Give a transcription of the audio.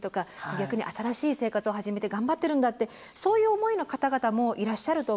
逆に新しい生活を始めて頑張ってるんだってそういう思いの方々もいらっしゃると思うんですけれども矢守さん。